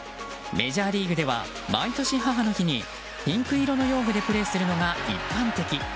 メジャーリーグでは毎年、母の日にピンク色の用具でプレーするのが一般的。